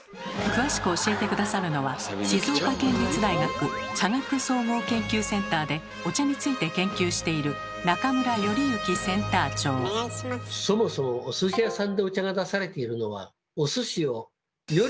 詳しく教えて下さるのは静岡県立大学茶学総合研究センターでお茶について研究しているそもそもお寿司屋さんでお茶が出されているのはお寿司をよりおいしく食べるためなんですよ。